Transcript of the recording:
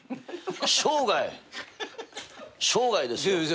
生涯生涯ですよ。